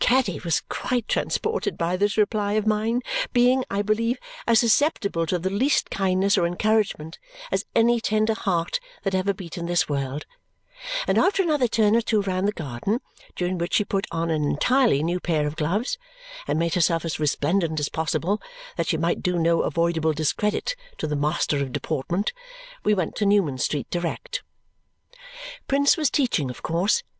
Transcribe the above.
Caddy was quite transported by this reply of mine, being, I believe, as susceptible to the least kindness or encouragement as any tender heart that ever beat in this world; and after another turn or two round the garden, during which she put on an entirely new pair of gloves and made herself as resplendent as possible that she might do no avoidable discredit to the Master of Deportment, we went to Newman Street direct. Prince was teaching, of course.